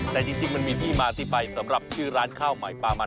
แต่จริงมันมีที่มาที่ไปสำหรับชื่อร้านข้าวใหม่ปลามัน